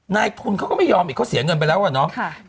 นายทุนเขาก็ไม่ยอมอีกเขาเสียเงินไปแล้วอะเนาะ